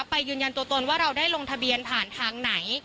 ยืนยันตัวตนว่าเราได้ลงทะเบียนผ่านทางไหน